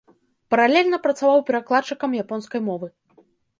Паралельна працаваў перакладчыкам японскай мовы.